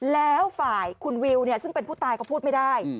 แล้วฝ่ายคุณวิวซึ่งเป็นผู้ตายก็พูดไม่ได้